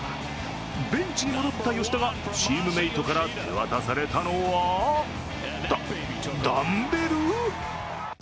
ベンチに戻った吉田がチームメートから手渡されたのは、ダンベル？